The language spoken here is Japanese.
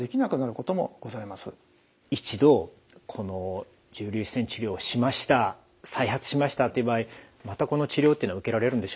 一度この重粒子線治療をしました再発しましたっていう場合またこの治療っていうのは受けられるんでしょうか？